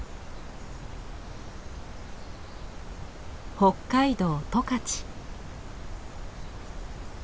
北海道十勝。